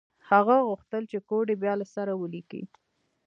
هغه غوښتل چې کوډ یې بیا له سره ولیکي